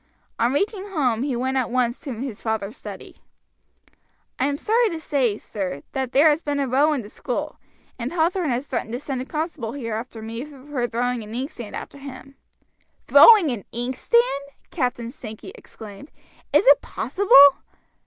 On reaching home he went at once to his father's study. "I am sorry to say, sir, that there has been a row in the school, and Hathorn has threatened to send a constable here after me for throwing an inkstand at him." "Throwing an inkstand!" Captain Sankey exclaimed. "Is it possible?"